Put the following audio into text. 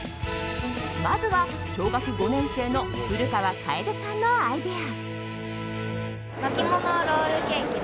まずは小学５年生の古川楓さんのアイデア。